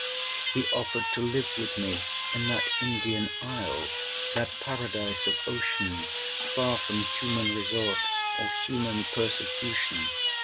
He offered to live with me in that Indian isle—that paradise of ocean, far from human resort or human persecution.